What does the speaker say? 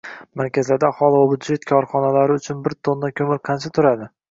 markazlarda aholi va byudjet korxonalari uchun bir tonna ko’mir qancha turadi?